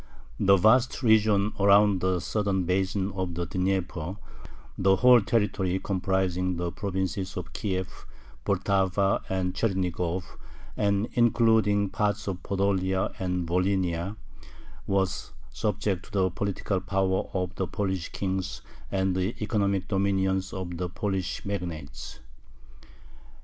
The vast region around the southern basin of the Dnieper, the whole territory comprising the provinces of Kiev, Poltava, and Chernigov, and including parts of Podolia and Volhynia, was subject to the political power of the Polish kings and the economic dominion of the Polish magnates.